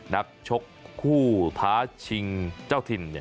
นักชกคู่ท้าชิงเจ้าถิ่น